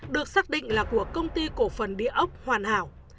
được xác định là của công ty cổ phần địa ốc hoàn hảo